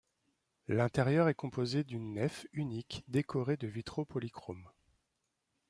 L'intérieur est composé d'une nef unique décorée de vitraux polychromes.